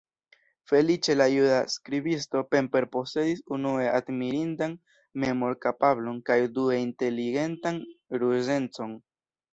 Feliĉe la juda skribisto Pemper posedis unue admirindan memorkapablon kaj due inteligentan ruzecon.